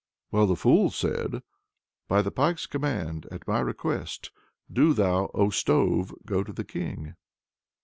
Well, the fool said: "By the Pike's command, at my request, do thou, O stove, go to the King!"